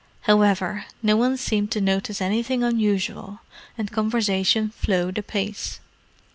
However, no one seemed to notice anything unusual, and conversation flowed apace.